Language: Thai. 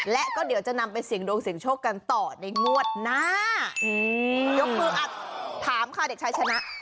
และก็เดี๋ยวจะนำไปเสียงดวงเสียงโชคกันต่อในงวดหน้ายกมืออ่ะถามค่ะเด็กชายชนะ